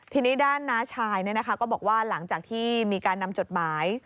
ทีนี้ด้านน้าชายก็บอกว่าหลังจากที่มีการนำจดหมาย